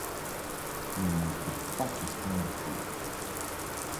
Mais il n’était pas question de fuir.